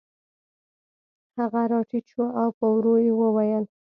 هغه راټیټ شو او په ورو یې وویل